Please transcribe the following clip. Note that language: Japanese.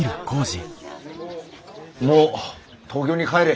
もう東京に帰れ。